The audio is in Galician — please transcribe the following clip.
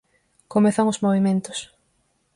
Comezan os movementos.